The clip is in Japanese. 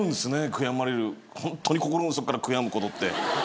悔やまれるホントに心の底から悔やむこと。